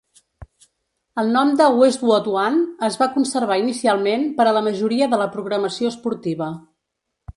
El nom de Westwood One es va conservar inicialment per a la majoria de la programació esportiva.